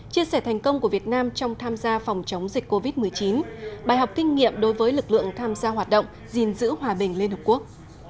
chia sẻ thành công của việt nam trong tham gia phòng chống dịch covid một mươi chín bài học kinh nghiệm đối với lực lượng tham gia hoạt động gìn giữ hòa bình liên hợp quốc